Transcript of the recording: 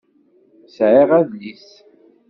Sɛiɣ adlis